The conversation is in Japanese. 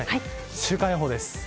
週間予報です。